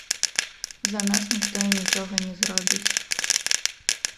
За нас ніхто і нічога не зробіць.